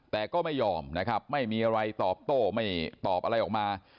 แต่ก็ไม่ยอมนะครับไม่มีอะไรตอบโต้ไม่ตอบอะไรออกมา